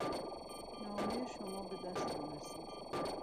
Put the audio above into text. نامهٔ شما بدستم رسید.